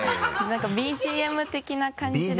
なんかＢＧＭ的な感じで。